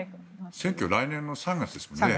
選挙は来年の３月ですよね。